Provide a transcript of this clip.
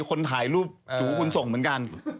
คนถ่ายรูปถูคุณส่งเหมือนกัน